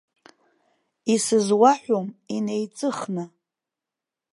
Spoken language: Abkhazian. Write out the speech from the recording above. Исызуаҳәом инеиҵыхны.